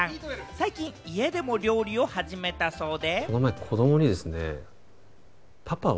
最近、家でも料理を始めたそうで。